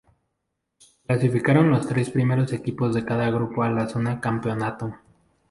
Clasificaron los tres primeros equipos de cada grupo a la Zona Campeonato.